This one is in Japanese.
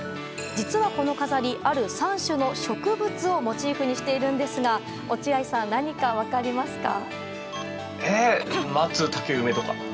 実はこの飾り、ある３種の植物をモチーフにしているのですが落合さん、何か分かりますか？